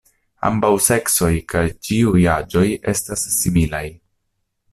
Ambaŭ seksoj kaj ĉiuj aĝoj estas similaj.